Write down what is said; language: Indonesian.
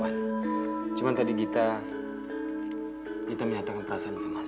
suara bang hasan terlihat tertinggi tentang perasaan yang telah horns